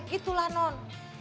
gitu lah non